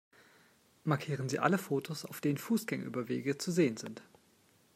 Markieren Sie alle Fotos, auf denen Fußgängerüberwege zu sehen sind!